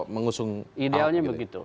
memang idealnya begitu